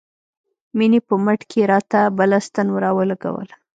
مينې په مټ کښې راته بله ستن راولګوله.